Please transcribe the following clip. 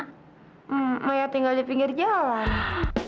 hmm mayat tinggal di pinggir jalan